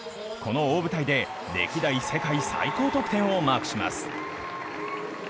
この大舞台で歴代世界最高得点をマークします。